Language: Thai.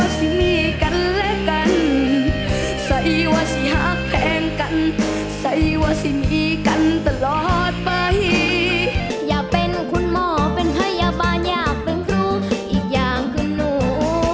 ใสวสินีกันตลอดไปอยากเป็นคุณหมอเป็นพยาบาลอยากเป็นครูอีกอย่างคือหนู